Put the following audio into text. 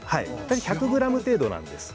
１００ｇ程度です。